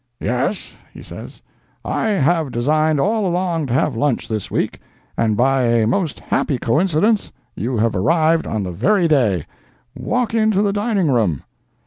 "Yes," he says, "I have designed all along to have lunch this week, and by a most happy coincidence you have arrived on the very day. Walk into the dining room."